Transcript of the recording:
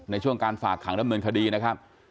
ในช่วงการฝากขังดำเนินคดีนะครับ